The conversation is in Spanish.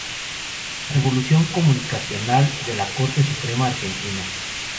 La revolución comunicacional de la Corte Suprema argentina".